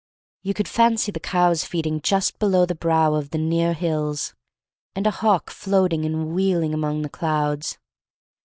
You could fancy the cows feeding just below the brow of the near hills, and a hawk floating and wheeling among the clouds.